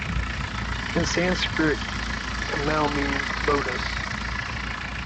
In Sanskrit, "Kamal" means "lotus".